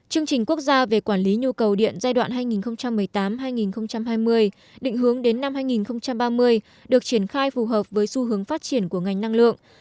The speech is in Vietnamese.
chương trình quốc gia về quản lý nhu cầu điện giai đoạn hai nghìn một mươi tám hai nghìn hai mươi định hướng đến năm hai nghìn ba mươi được triển khai phù hợp với xu hướng phát triển của ngành năng lượng